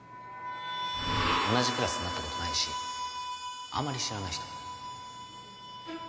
同じクラスになった事ないしあんまり知らない人。